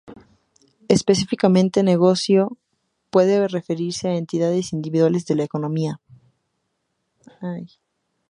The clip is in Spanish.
Específicamente, negocio puede referirse a entidades individuales de la economía.